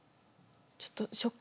ちょっとショック。